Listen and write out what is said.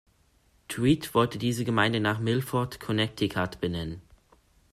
Treat wollte diese Gemeinde nach Milford, Connecticut benennen.